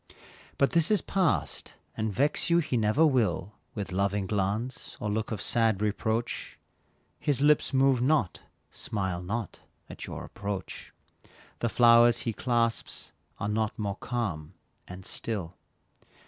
But this is past, and vex you he never will, With loving glance, or look of sad reproach; His lips move not, smile not at your approach; The flowers he clasps are not more calm and still.